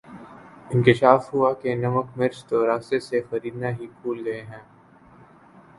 انکشاف ہوا کہ نمک مرچ تو راستے سے خریدنا ہی بھول گئے ہیں